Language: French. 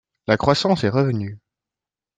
La croissance est revenue